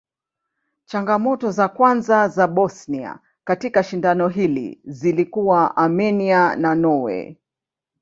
Changamoto za kwanza za Bosnia katika shindano hili zilikuwa Armenia na Norway.